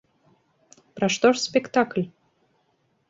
Пра што ж спектакль?